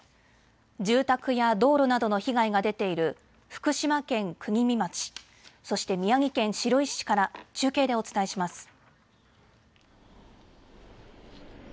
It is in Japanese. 住宅や道路などの被害が出ている福島県国見町、そして宮城県白石市から中継でお伝えします。